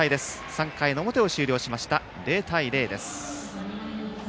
３回の表を終了して０対０です。